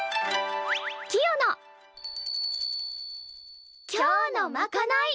キヨの。